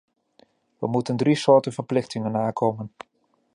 We moeten drie soorten verplichtingen nakomen.